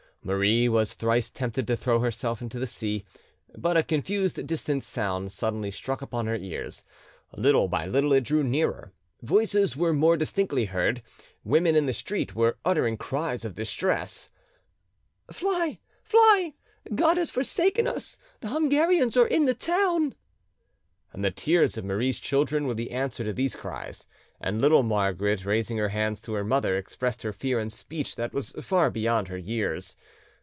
Marie was thrice tempted to throw herself into the sea. But a confused distant sound suddenly struck upon her ears: little by little it drew nearer, voices were more distinctly heard; women in the street were uttering cries of distress— "Fly, fly! God has forsaken us; the Hungarians are in the town!" The tears of Marie's children were the answer to these cries; and little Margaret, raising her hands to her mother, expressed her fear in speech that was far beyond her years.